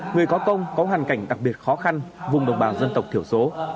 người có công có hoàn cảnh đặc biệt khó khăn vùng đồng bào dân tộc thiểu số